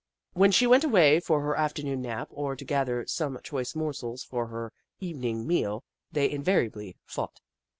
When she went away for her afternoon nap, or to gather some choice morsels for her even ing meal, they invariably fought.